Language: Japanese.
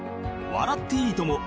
『笑っていいとも！』